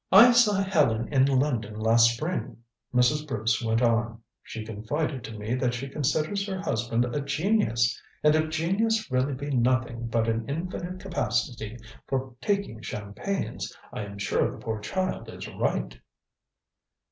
"I saw Helen in London last spring," Mrs. Bruce went on. "She confided to me that she considers her husband a genius. And if genius really be nothing but an infinite capacity for taking champagnes, I am sure the poor child is right."